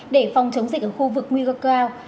để phòng chống dịch ở khu vực nguy cơ cao